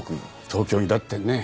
東京にだってね